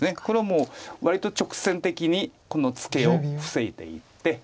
これはもう割と直線的にこのツケを防いでいて。